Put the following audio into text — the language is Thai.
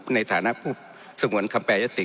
ในฐานะสงวนคำแปลอยศติ